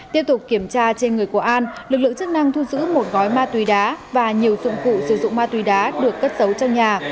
tiếp tục kiểm tra trên người của an lực lượng chức năng thu giữ một gói ma túy đá và nhiều dụng cụ sử dụng ma túy đá được cất giấu trong nhà